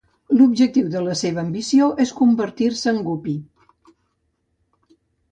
L'objectiu de la seva ambició és convertir-se en Guppy.